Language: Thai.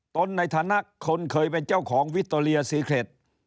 ตนในฐานะคนเคยเป็นเจ้าของวิคโตเรียซีเครต